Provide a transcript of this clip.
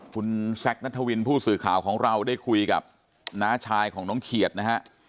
คุณแซคนัทวินผู้สื่อข่าวของเราได้คุยกับน้าชายของน้องเขียดนะฮะ